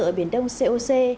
ở biển đông coc